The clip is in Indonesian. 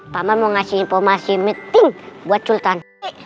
paman mau ngasih informasi meeting buat sultan